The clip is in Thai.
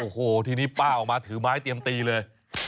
โอ้โหทีนี้ป้าออกมาถือไม้เตรียมตีเลย